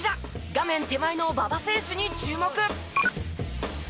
画面手前の馬場選手に注目！